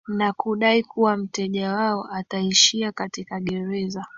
na kudai kuwa mteja wao hataishia katika gereza